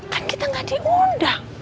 kan kita gak diundang